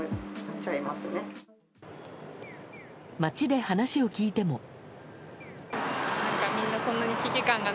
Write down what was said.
街で話を聞いても。